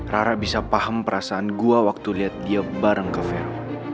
rara bisa paham perasaan gua waktu lihat dia bareng ke vero